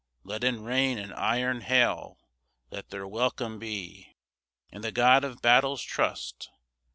Leaden rain and iron hail Let their welcome be! In the God of battles trust!